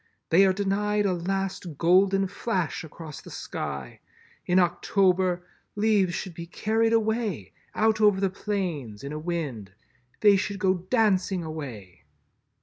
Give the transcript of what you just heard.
They are denied a last golden flash across the sky. In October, leaves should be carried away, out over the plains, in a wind. They should go dancing away."